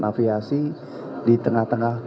mafiasi di tengah tengah